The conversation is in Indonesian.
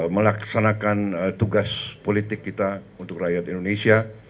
melaksanakan tugas politik kita untuk rakyat indonesia